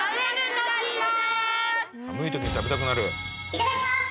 いただきます。